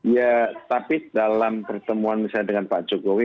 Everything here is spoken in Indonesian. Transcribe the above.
ya tapi dalam pertemuan misalnya dengan pak jokowi